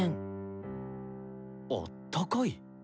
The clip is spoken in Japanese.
あったかい？